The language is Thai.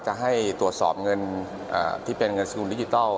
จะให้ตรวจสอบเงินที่เป็นเงินสกุลดิจิทัล